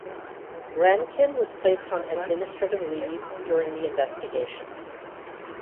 Rankin was placed on administrative leave during the investigation.